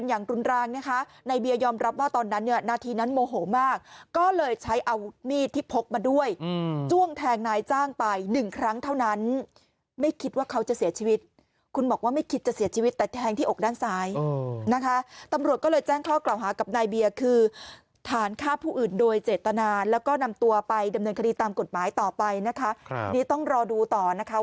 เงินคดีตามกฎหมายต่อไปนะครับนี่ต้องรอดูต่อนะครับ